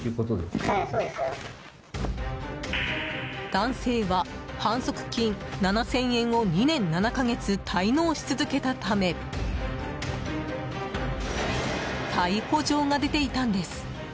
男性は反則金７０００円を２年７か月滞納し続けたため逮捕状が出ていたんです。